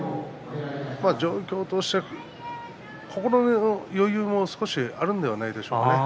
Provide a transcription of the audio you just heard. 状況としては心の余裕も少しあるのではないでしょうかね。